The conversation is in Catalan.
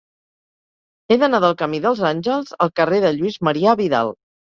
He d'anar del camí dels Àngels al carrer de Lluís Marià Vidal.